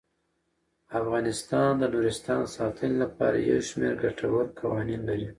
افغانستان د نورستان د ساتنې لپاره یو شمیر ګټور قوانین لري.